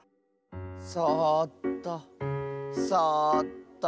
そっとそっと。